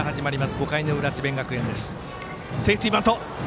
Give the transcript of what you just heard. ５回の裏の智弁学園です。